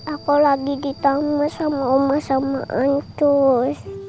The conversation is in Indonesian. aku lagi ditemu sama omah sama ancus